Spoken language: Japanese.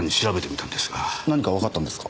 何かわかったんですか？